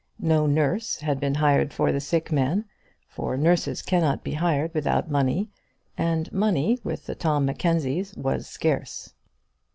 No nurse had been hired for the sick man, for nurses cannot be hired without money, and money with the Tom Mackenzies was scarce.